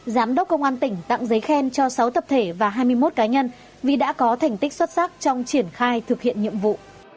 giám đốc công an tỉnh tặng giấy khen cho sáu tập thể và hai mươi một cá nhân vì đã có thành tích xuất sắc trong triển khai thực hiện nhiệm vụ